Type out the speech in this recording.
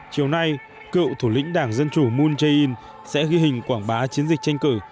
chiều nay cựu thủ lĩnh đảng dân chủ mon jae in sẽ ghi hình quảng bá chiến dịch tranh cử